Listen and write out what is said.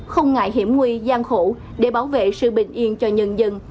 không ngại hiểm nguy gian khổ để bảo vệ sự bình yên cho nhân dân